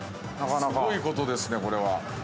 すごいことですね、これは。